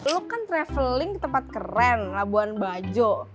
lo kan traveling tempat keren labuan bajo